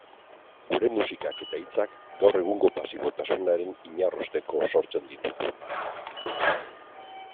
Gure musikak eta hitzak gaur egungo pasibotasunaren inarrosteko sortzen ditugu.